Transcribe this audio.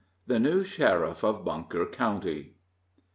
THE NEW SHERIFF OF BUNKER COUNTY.